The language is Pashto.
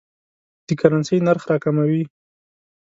د کرنسۍ نرخ راکموي.